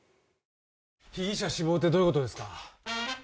被疑者死亡ってどういうことですか。